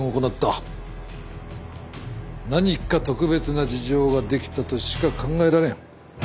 何か特別な事情が出来たとしか考えられん。